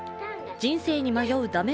人生に迷う駄目